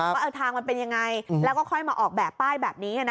ว่าทางมันเป็นยังไงแล้วก็ค่อยมาออกแบบป้ายแบบนี้